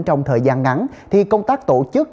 trong thời gian ngắn thì công tác tổ chức